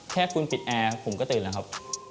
แค่คุณปิดแอร์ผมก็ตื่นแล้วครับ